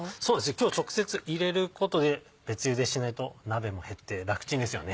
今日は直接入れることで別ゆでしないと鍋も減って楽ちんですよね。